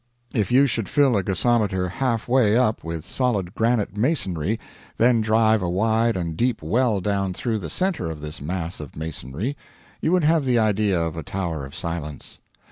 If you should fill a gasometer half way up with solid granite masonry, then drive a wide and deep well down through the center of this mass of masonry, you would have the idea of a Tower of Silence.